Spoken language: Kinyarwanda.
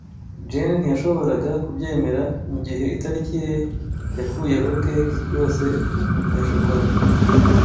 Jane ntiyashoboraga kubyemera mugihe itariki ye yakuyeho cake yose ya shokora.